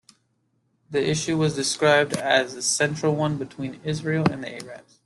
The issue was described as the central one between Israel and the Arabs.